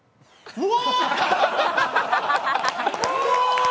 うわ！